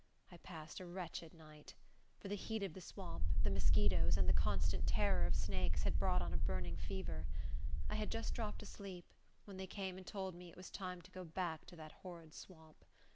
I passed a wretched night; for the heat of the swamp, the mosquitos, and the constant terror of snakes, had brought on a burning fever. I had just dropped asleep, when they came and told me it was time to go back to that horrid swamp.